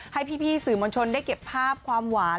ให้พี่สื่อมวลชนได้เก็บภาพความหวาน